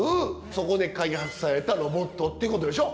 そこで開発されたロボットってことでしょ。